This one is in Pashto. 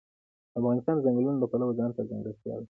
افغانستان د ځنګلونو د پلوه ځانته ځانګړتیا لري.